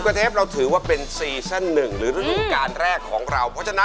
๑๐กว่าเทปเราถือว่าเป็นซีซั่น๑หรือธุรการแรกของเรา